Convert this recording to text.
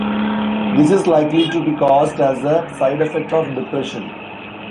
This is likely to be caused as a side effect of depression.